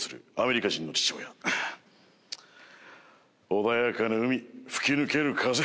穏やかな海吹き抜ける風。